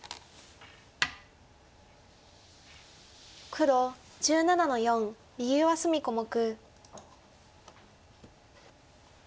黒１７の四右上隅小目。